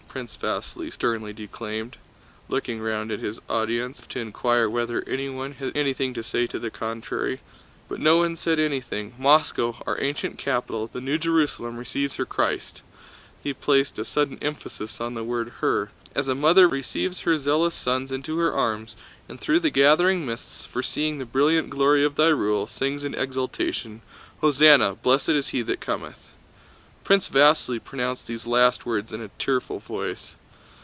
Prince Vasíli sternly declaimed, looking round at his audience as if to inquire whether anyone had anything to say to the contrary. But no one said anything. "Moscow, our ancient capital, the New Jerusalem, receives her Christ"—he placed a sudden emphasis on the word her—"as a mother receives her zealous sons into her arms, and through the gathering mists, foreseeing the brilliant glory of thy rule, sings in exultation, 'Hosanna, blessed is he that cometh!'" Prince Vasíli pronounced these last words in a tearful voice.